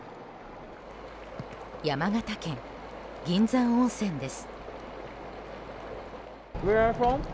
山形県銀山温泉です。